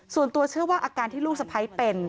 ส่วนตัวเชื่อว่าอาการที่ลูกสะพ้ายเป็น